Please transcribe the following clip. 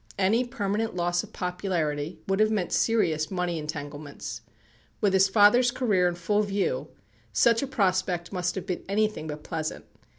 Any permanent loss of popularity would have meant serious money entanglements. With his father's career in full view, such a prospect must have been anything but pleasant.